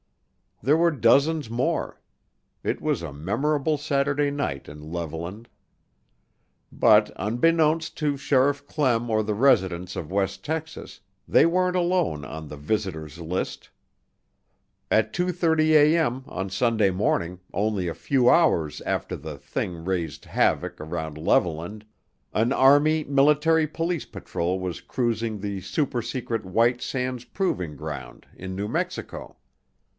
There were dozens more. It was a memorable Saturday night in Levelland. But unbeknown to Sheriff Clem or the residents of West Texas, they weren't alone on the visitor's list. At 2:30A.M. on Sunday morning, only a few hours after the "Thing" raised havoc around Levelland, an army military police patrol was cruising the supersecret White Sands Proving Ground in New Mexico.